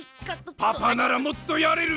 パパならもっとやれるよ！